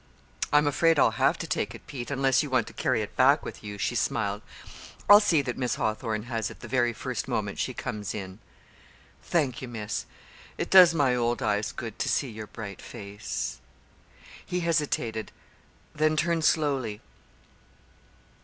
"I'm afraid I'll have to take it, Pete, unless you want to carry it back with you," she smiled. "I'll see that Miss Hawthorn has it the very first moment she comes in." "Thank you, Miss. It does my old eyes good to see your bright face." He hesitated, then turned slowly.